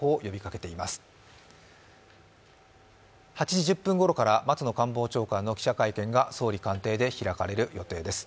８時１０分頃から松野官房長官の記者会見が総理官邸で行われる予定です。